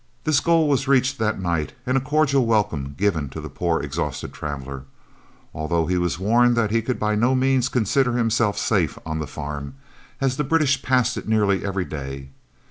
This goal was reached that night, and a cordial welcome given to the poor exhausted traveller, although he was warned that he could by no means consider himself safe on the farm, as the British passed it nearly every day.